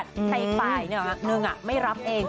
ใส่ป่ายนึงอ่ะนึงอ่ะไม่รับเอง